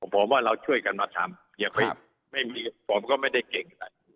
ผมว่าเราช่วยกันมาทำผมก็ไม่ได้เก่งอะไร